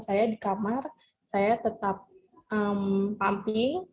saya di kamar saya tetap pumping